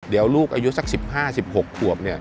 เดี๋ยวลูกอายุสัก๑๕๑๖ขวบ